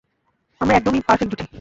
আমরা একদম পারফেক্ট জুটি।